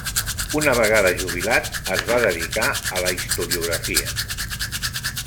Una vegada jubilat es va dedicar a la historiografia.